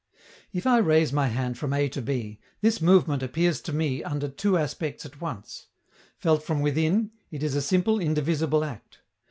If I raise my hand from A to B, this movement appears to me under two aspects at once. Felt from within, it is a simple, indivisible act.